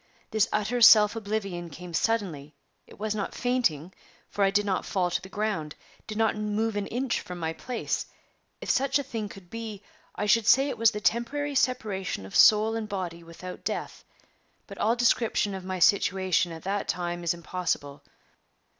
This utter self oblivion came suddenly; it was not fainting, for I did not fall to the ground, did not move an inch from my place. If such a thing could be, I should say it was the temporary separation of soul and body without death; but all description of my situation at that time is impossible.